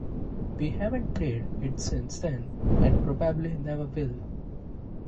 We haven't played it since then and probably never will.